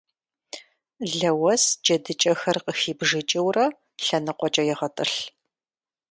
Лэуэс джэдыкӀэхэр къыхибжыкӀыурэ лъэныкъуэкӀэ егъэтӀылъ.